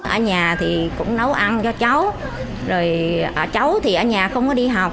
ở nhà thì cũng nấu ăn cho cháu rồi ở cháu thì ở nhà không có đi học